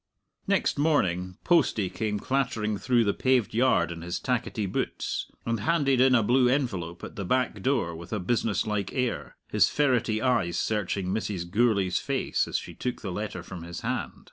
Next morning Postie came clattering through the paved yard in his tackety boots, and handed in a blue envelope at the back door with a business like air, his ferrety eyes searching Mrs. Gourlay's face as she took the letter from his hand.